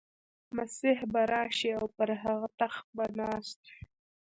مسیح به راشي او پر هغه تخت به ناست وي.